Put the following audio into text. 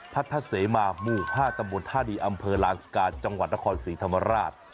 พัทธาเสมามูหาดตำบลทาบุญอำเภอลานซิกาจังหวัดตะขอดสีธรมานราช